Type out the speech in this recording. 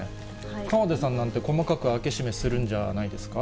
河出さんなんて、細かく開け閉めするんじゃないですか。